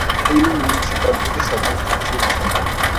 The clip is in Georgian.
კეილის მუნიციპალიტეტის ადმინისტრაციული ცენტრი.